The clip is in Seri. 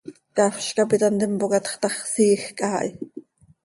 Ccafz cap it hant impoocatx ta x, siijc haa hi.